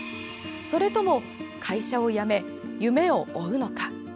それとも会社を辞め、夢を追うのか。